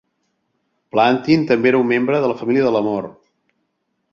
Plantin també era un membre de la Família de l'Amor.